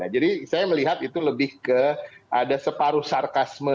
jadi saya melihat itu lebih ke ada separuh sarkasme